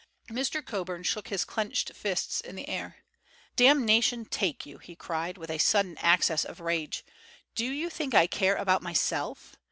Mr. Coburn shook his clenched fists in the air. "Damnation take you!" he cried, with a sudden access of rage, "do you think I care about myself?